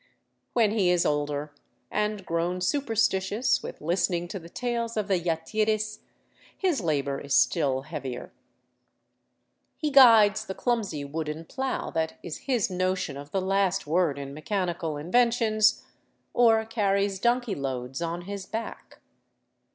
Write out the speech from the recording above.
When he is older, and grown superstitious with listening to the tales of the yatiris, his labor is still heavier. He guides the clumsy wooden plow that is his notion of the last word in mechanical inventions, or carries donkey loads on his back.